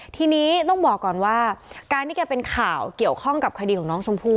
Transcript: ทีนี้ต้องบอกก่อนว่าการที่แกเป็นข่าวเกี่ยวข้องกับคดีของน้องชมพู่